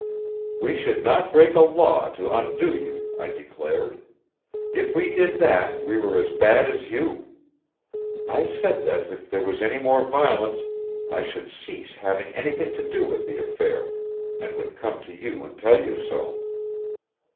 "We should not break a law to undo you, I declared. If we did that, we were as bad as you. I said that, if there was any more violence, I should cease having anything to do with the affair, and would come to you and tell you so.